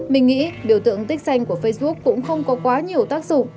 mình nghĩ biểu tượng tích xanh của facebook cũng không có quá nhiều tác dụng